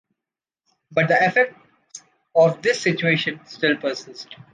But the effects of this situation still persist.